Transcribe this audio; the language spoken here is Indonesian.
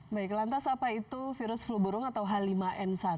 baik lantas apa itu virus flu burung atau h lima n satu